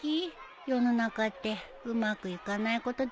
世の中ってうまくいかないことだらけだね。